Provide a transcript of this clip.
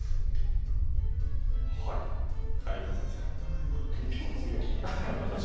今、優しかったな。